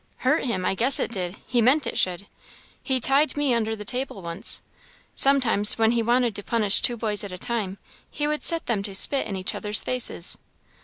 "Hurt him! I guess it did, he meant it should. He tied me under the table once. Sometime, when he wanted to punish two boys at a time, he would set them to spit in each other's faces."